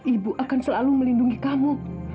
ibu akan selalu melindungi kamu